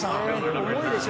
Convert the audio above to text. すごいですよ